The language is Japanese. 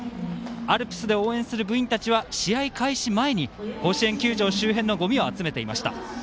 アルプスで応援する部員たちは試合開始前に甲子園球場周辺のごみを集めていました。